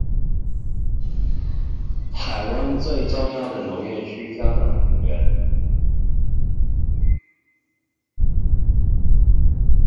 台灣最重要的農業區嘉南平原